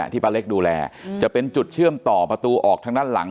ป้าเล็กดูแลจะเป็นจุดเชื่อมต่อประตูออกทางด้านหลัง